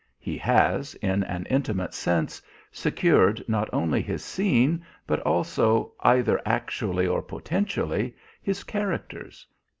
He has, in an intimate sense, secured not only his scene, but also, either actually or potentially, his characters.